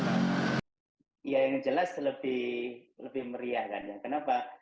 yang jelas lebih meriah kenapa